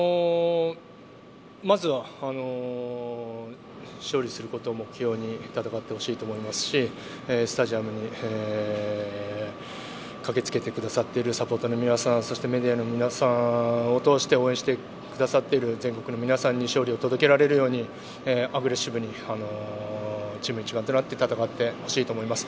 まずは、勝利することを目標に戦ってほしいと思いますしスタジアムに駆けつけてくださっているサポーターの皆さんそしてメディアの皆さんを通して応援してくださっている全国の皆さんに勝利を届けられるようにアグレッシブにチーム一丸となって戦ってほしいと思います。